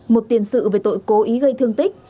một tiền sự về tội cố ý gây thương tích